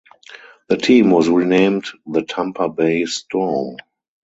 The team was renamed the Tampa Bay Storm.